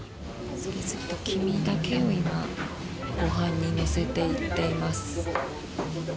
黄身だけを今ご飯に乗せていっています。